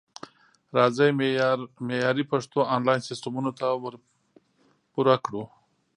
راځئ معیاري پښتو انلاین سیستمونو ته ورپوره کړو